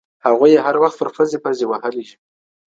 هغوی يې هر وخت پر پزي پزي وهلي دي